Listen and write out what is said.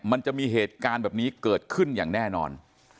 มันจะมีเหตุการณ์แบบนี้เกิดขึ้นอย่างแน่นอน